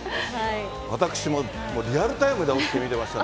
私もリアルタイムで起きて見てました。